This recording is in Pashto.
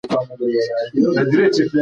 هغه به ډیر کالي مهاراجا ته واستوي.